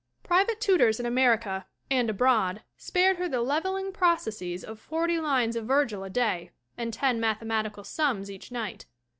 Private tutors in America and abroad spared her the leveling processes of forty lines of Virgil a day and ten mathematical sums each night.